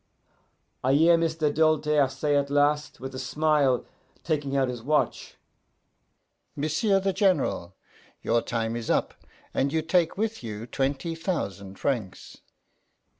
I hear M'sieu' Doltaire say at last, with a smile, taking out his watch, 'M'sieu' the General, your time is up, and you take with you twenty thousan' francs.